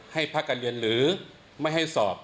ให้พักการเรียนหรือไม่ให้สอบ